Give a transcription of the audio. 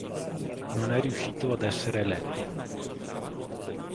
Non è riuscito ad essere eletto.